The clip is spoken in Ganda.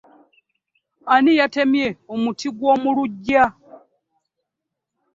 Ani yatmye omuti gw'omu luggya?